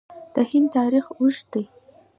د هند تاریخ اوږد دی.